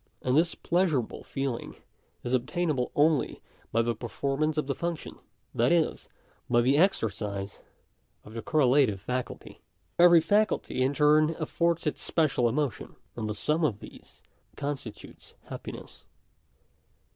And this pleasurable feeling is obtainable only by the performance of the function ; that is, by the exercise of the correlative faculty. Every faculty in turn affords its special emotion; and the sum of these constitutes happiness.